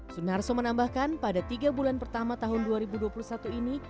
sunarso menambahkan pada tiga bulan pertama tahun dua ribu dua puluh satu ini